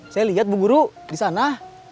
saya liat bu guru disana